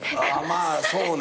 まあそうね。